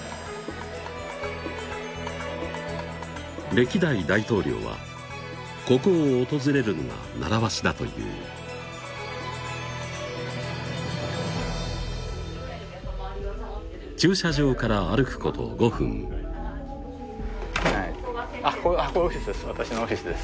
歴代大統領はここを訪れるのが習わしだという駐車場から歩くこと５分ここオフィスです